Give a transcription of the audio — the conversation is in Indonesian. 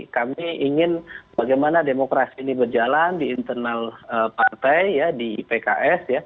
kami ingin bagaimana demokrasi ini berjalan di internal partai di pks